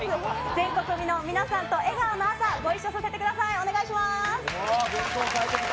全国の皆さんと笑顔の朝、ご一緒させてください。